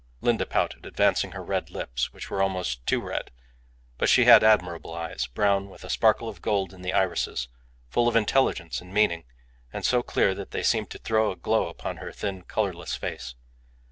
Linda pouted, advancing her red lips, which were almost too red; but she had admirable eyes, brown, with a sparkle of gold in the irises, full of intelligence and meaning, and so clear that they seemed to throw a glow upon her thin, colourless face.